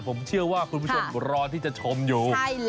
ผมเชื่อว่าคุณผู้ชมรอที่จะชมอยู่